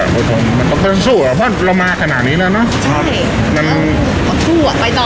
บนของมันต้องสู้อะเพราะเรามาขนาดนี้เนอะใช่ถ้ามันโดดสู้อะไปต่อ